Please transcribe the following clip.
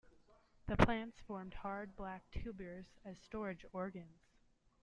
The plants form hard black tubers as storage organs.